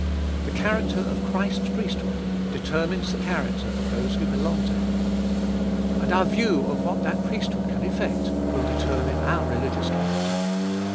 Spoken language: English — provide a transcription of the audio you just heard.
The character of Christ's priesthood determines the character of those who belong to Him. And our view of what that priesthood can effect will determine our religious character.